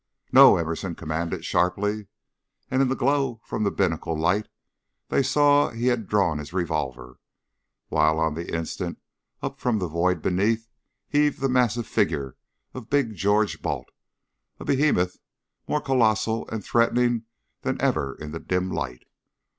"No!" Emerson commanded, sharply, and in the glow from the binnacle light they saw he had drawn his revolver, while on the instant up from the void beneath heaved the massive figure of Big George Balt, a behemoth, more colossal and threatening than ever in the dim light.